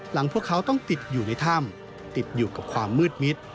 พวกเขาต้องติดอยู่ในถ้ำติดอยู่กับความมืดมิด